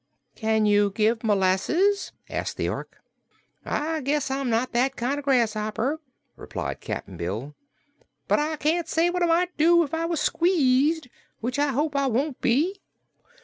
"Can you give molasses?" asked the Ork. "I guess I'm not that kind of a grasshopper," replied Cap'n Bill. "But I can't say what I might do if I was squeezed which I hope I won't be."